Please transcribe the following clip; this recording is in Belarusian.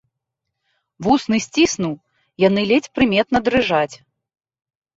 Вусны сціснуў, яны ледзь прыметна дрыжаць.